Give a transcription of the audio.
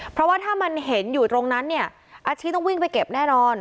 เพราะว่าถ้ามันเห็นอยู่ตรงนั้นเนี่ยอาชีพต้องวิ่งไปเก็บแน่นอน